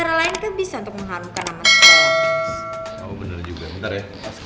tadi niat banget mau menjitin gue